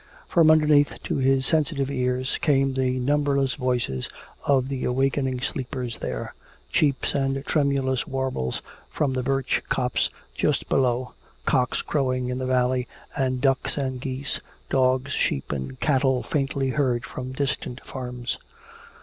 From underneath to his sensitive ears came the numberless voices of the awakening sleepers there, cheeps and tremulous warbles from the birch copse just below, cocks crowing in the valley, and ducks and geese, dogs, sheep and cattle faintly heard from distant farms.